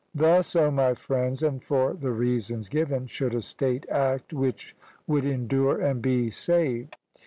Thus, O my friends, and for the reasons given, should a state act which would endure and be saved.